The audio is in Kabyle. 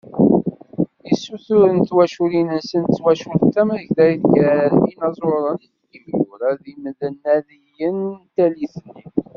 Isuturen n twaculin-nsen d twacult tamagdayt gar yinaẓuren, imyura d yimnadiyen n tallit-nni.